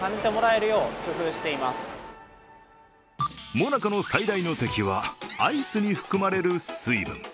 モナカの最大の敵はアイスに含まれる水分。